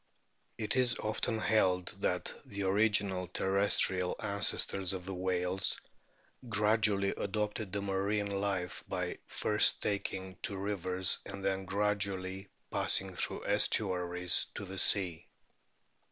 It is often held that the original terrestrial ancestors of the whales gradually adopted the marine life by first taking to rivers and then gradually passing through estuaries to the sea.